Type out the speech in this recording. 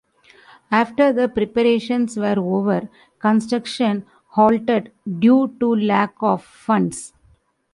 After the preparations were over, construction halted due to lack of funds.